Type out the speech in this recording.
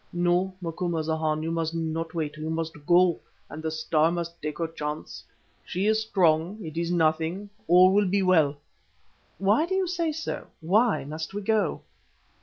"No, Macumazahn, you must not wait, you must go, and the Star must take her chance. She is strong. It is nothing. All will be well." "Why do you say so? why must we go?"